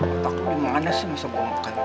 otak dimana sih masa gua mau kawin lagi